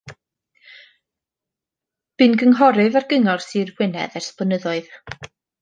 Bu'n gynghorydd ar Gyngor Sir Gwynedd ers blynyddoedd.